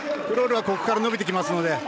クロルはここから伸びてきます。